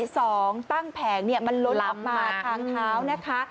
สองตั้งแผงมันล้นออกมาทางเท้านะคะ